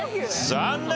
残念！